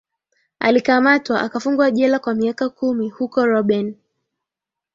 alikamatwa akafungwa jela kwa miaka kumi huko robben